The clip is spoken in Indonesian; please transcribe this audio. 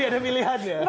jadi ada pilihan ya